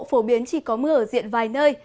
phổ biến chỉ có mưa ở diện vài nơi